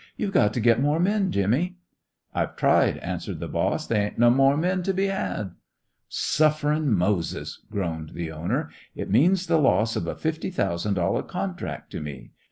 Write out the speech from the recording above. "You got to get more men, Jimmy." "I've tried," answered the boss. "They ain't no more men to be had." "Suffering Moses!" groaned the owner. "It means the loss of a fifty thousand dollar contract to me.